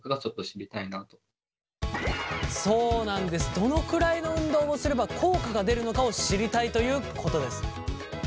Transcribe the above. どのくらいの運動をすれば効果が出るのかを知りたいということです。